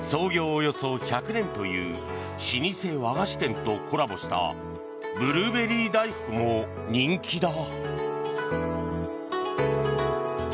およそ１００年という老舗和菓子店とコラボしたブルーベリー大福も人気だ。